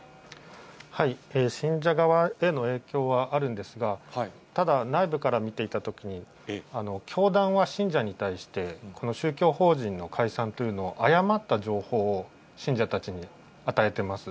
信者側への影響はあるんですが、ただ、内部から見ていたときに、教団は信者に対して、この宗教法人の解散というのを誤った情報を信者たちに与えてます。